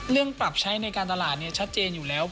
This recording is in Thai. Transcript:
ปรับใช้ในการตลาดชัดเจนอยู่แล้ว